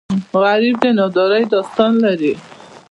غریب د نادارۍ داستان لري